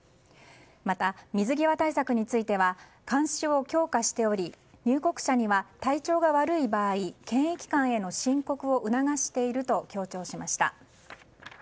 また、水際対策については監視を強化しており、入国者には体調が悪い場合検疫官への申告を促していると強調しました。